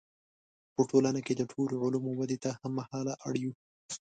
په ټولنه کې د ټولو علومو ودې ته هم مهاله اړ یو.